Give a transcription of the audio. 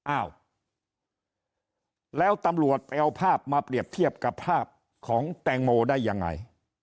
อ้าวแล้วตำรวจไปเอาภาพมาเปรียบเทียบกับภาพของแตงโมได้ยังไง